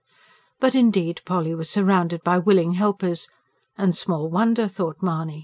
But indeed Polly was surrounded by willing helpers. And small wonder, thought Mahony.